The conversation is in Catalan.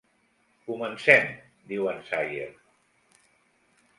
"Comencem", diu en Sayer.